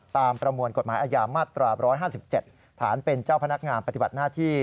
ประมวลกฎหมายอาญามาตรา๑๕๗ฐานเป็นเจ้าพนักงานปฏิบัติหน้าที่